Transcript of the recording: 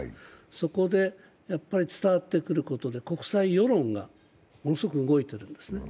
そこで伝わってくることで、国際世論がものすごく動いているんですね。